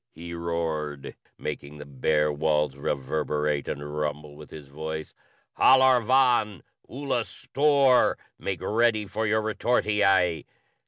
he roared, making the bare walls reverberate and rumble with his voice. "Halor vàn! Ula Storr!" [Footnote 1: Make ready for your retortii.